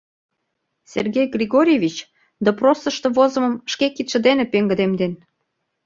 Сергей Григорьевич допросышто возымым шке кидше дене пеҥгыдемден